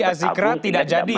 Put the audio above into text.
jadi di azikra tidak jadi ya ustaz